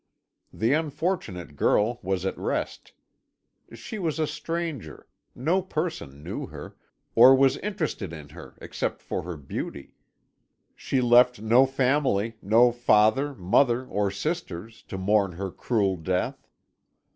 The unfortunate girl was at rest. She was a stranger; no person knew her, or was interested in her except for her beauty; she left no family, no father, mother, or sisters, to mourn her cruel death.